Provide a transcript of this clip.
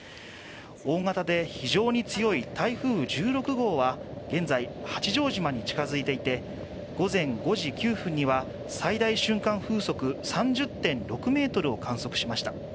大型で非常に強い台風１６号は現在八丈島に近づいていて午前５時９分には最大瞬間風速３０．６メートルを観測しました。